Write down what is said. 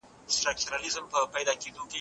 مهمه ده، څوک وفادار پاتې شي.